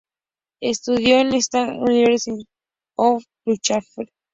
Estudió en la State University of New York, en Purchase.